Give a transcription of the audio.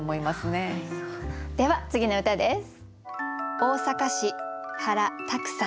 では次の歌です。